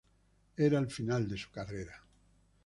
Era el final de su carrera.